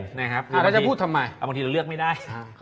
อย่างนี้เราเลือกไม่ได้